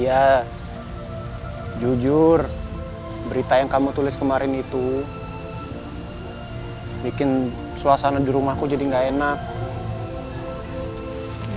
ya jujur berita yang kamu tulis kemarin itu bikin suasana di rumahku jadi gak enak